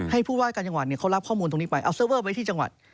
ผู้ว่าการจังหวัดเขารับข้อมูลตรงนี้ไปเอาเซอร์เวอร์ไว้ที่จังหวัด